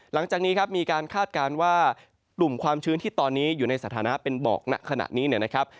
หลังจากนี้ครับมีการคาดการณ์ว่ากลุ่มความชื้นที่ตอนนี้อยู่ในสถานะเป็นหมอกณขณะนี้เนี่ยนะครับ